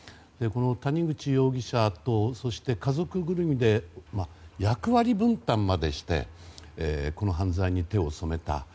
谷口容疑者と家族ぐるみで役割分担までしてこの犯罪に手を染めた。